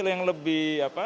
yang lebih apa